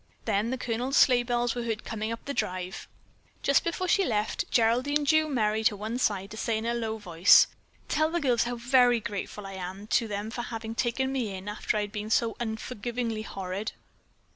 Then the Colonel's sleigh bells were heard coming up the drive. Just before she left, Geraldine drew Merry to one side to say in a low voice: "Tell the girls how very grateful I am to them for having taken me in after I had been so unforgivably horrid."